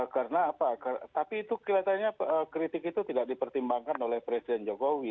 karena apa tapi itu kelihatannya kritik itu tidak dipertimbangkan oleh presiden jokowi